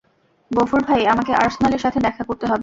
গফুর ভাই, আমাকে আর্সলানের সাথে দেখা করতে হবে।